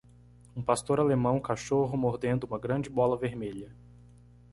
um pastor alemão cachorro mordendo uma grande bola vermelha